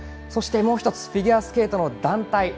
そしてもう１つフィギュアスケートの団体